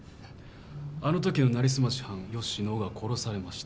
あのときの成り済まし犯吉野が殺されました。